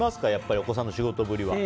お子さんの仕事ぶりは。